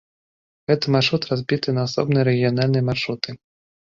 Гэты маршрут разбіты на асобныя рэгіянальныя маршруты.